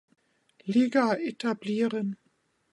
Liga etablieren.